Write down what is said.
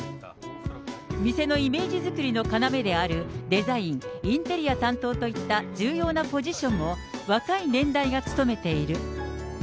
店のイメージ作りの要であるデザイン、インテリア担当といった重要なポジションも若い年代が務めている。